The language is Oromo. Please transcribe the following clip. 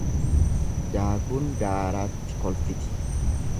Daakuun daaraatti kolfiti.